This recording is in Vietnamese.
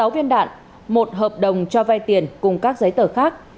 sáu viên đạn một hợp đồng cho vay tiền cùng các giấy tờ khác